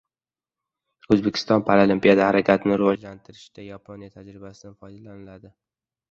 O‘zbekistonda Paralimpiya harakatini rivojlantirishda Yaponiya tajribasidan foydalaniladi